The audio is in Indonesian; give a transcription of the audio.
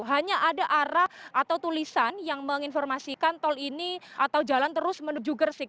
hanya ada arah atau tulisan yang menginformasikan tol ini atau jalan terus menuju gersik